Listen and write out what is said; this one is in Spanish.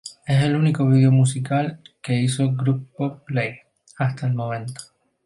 Es el único video musical que hizo Grupo Play hasta el momento.